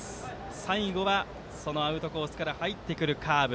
最後は、そのアウトコースから入ってくるカーブ。